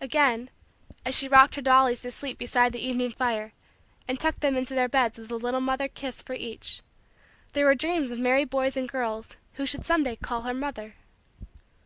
Again, as she rocked her dollies to sleep beside the evening fire and tucked them into their beds with a little mother kiss for each, there were dreams of merry boys and girls who should some day call her mother.